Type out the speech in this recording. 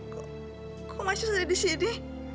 kok mas yus ada di sini